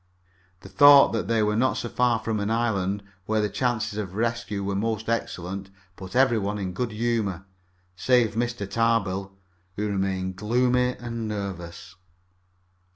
The thought that they were not so very far from an island, where the chances of rescue were most excellent, put every one in good humor, save Mr. Tarbill. He remained gloomy and nervous.